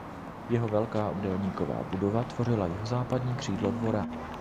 Jeho velká obdélníková budova tvořila jihozápadní křídlo dvora.